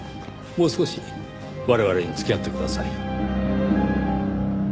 もう少し我々に付き合ってください。